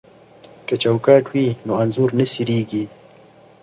که چوکاټ وي نو انځور نه څیریږي.